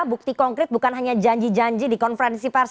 bukti konkret bukan hanya janji janji di konferensi pers